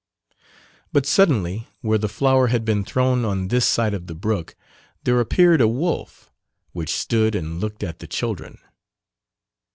But suddenly where the flower had been thrown on this side of the brook, there appeared a wolf, which stood and looked at the children.